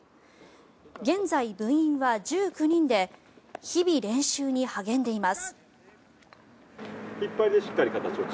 現在、部員は１９人で日々練習に励んでいます。